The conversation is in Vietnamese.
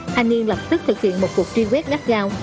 thanh niên lập tức thực hiện một cuộc tri vét gắt gao